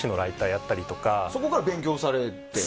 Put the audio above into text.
そこから勉強されて。